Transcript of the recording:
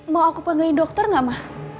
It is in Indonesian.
mau aku panggilin dokter gak ma